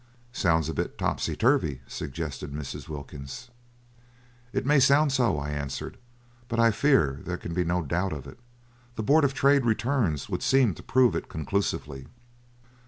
"Sounds a bit topsy turvy," suggested Mrs. Wilkins. "It may sound so," I answered, "but I fear there can be no doubt of it. The Board of Trade Returns would seem to prove it conclusively."